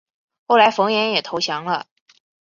后来冯衍也投降了。